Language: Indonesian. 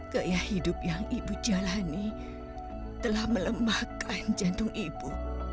gaya hidup yang ibu jalani telah melemahkan jantung ibu